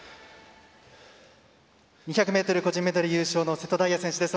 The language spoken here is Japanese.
２００ｍ個人メドレー優勝の瀬戸大也選手です。